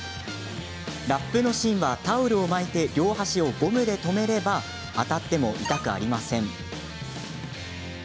ラップの芯はタオルを巻いて両端をゴムで留めれば当たっても痛くありません。